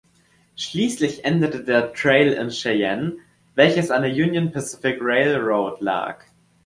Schließlich endete der Trail in Cheyenne, welches an der "Union Pacific Railroad" lag.